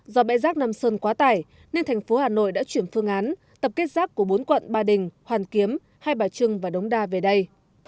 do bãi rác nam sơn quá tải nên thành phố hà nội đã chuyển phương án tập kết rác của bốn quận ba đình hoàn kiếm hai bà trưng và đống đa về đây